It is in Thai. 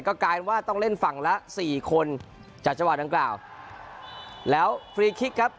ก็กลายว่าต้องเล่นฝั่งละสี่คนจากจังหวะดังกล่าวแล้วฟรีคิกครับ